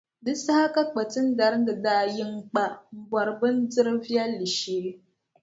Di saha ka Kpatinariŋga daa yi n-kpa m-bɔri bindirʼ viɛlli shee.